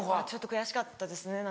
ちょっと悔しかったですね